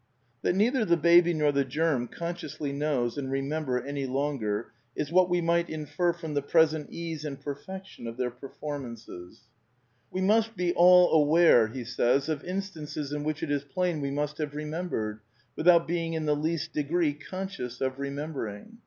^^ That neither the baby nor the germ consciously knows and remember any longer is what we might infer from the present ease and perfection of their performances. 18 A DEFENCE OF IDEALISM ^' We must be all aware of instanoeB in which it is plain we must have remembered, without being in the least degree con scious of remembering.